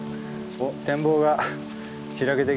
おっ展望が開けてきた。